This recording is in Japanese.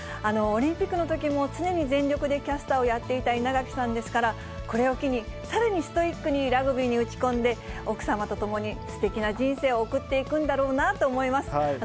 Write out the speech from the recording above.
オリンピックのときも常に全力でキャスターをやっていた稲垣さんですから、これを機に、さらにストイックにラグビーに打ち込んで、奥様と共に素敵な人生を送っていくんだろうなと思います。